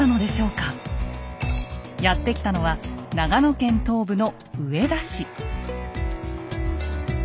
やって来たのは長野県東部の上田市。